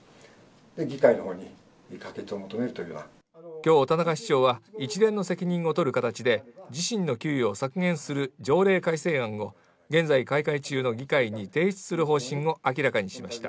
今日、田中市長は一連の責任をとるかたちで自身の給与を削減する条例改正案を現在開会中の議会に提出する方針を明らかにしました。